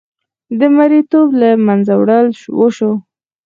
د مریې توب له منځه وړل وشو.